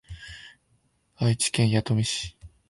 愛知県弥富市